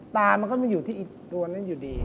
ตามันก็มาอยู่ที่ตัวนั้นอยู่ดี